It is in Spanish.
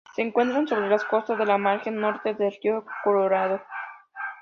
Se encuentra sobre las costas de la margen norte del Río Colorado.